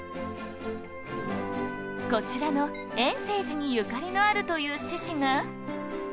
こちらの円政寺にゆかりのあるという志士が